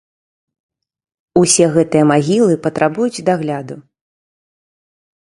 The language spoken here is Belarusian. Усе гэтыя магілы патрабуюць дагляду.